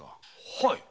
はい。